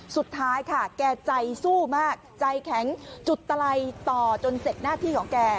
สุดท้ายค่ะแกใจสู้มากใจแข็งจุดตะไลต่อจนเสร็จหน้าที่ของแก